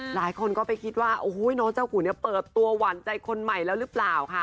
หลายคนก็ไปคิดว่าโอ้โหน้องเจ้ากุลเนี่ยเปิดตัวหวานใจคนใหม่แล้วหรือเปล่าค่ะ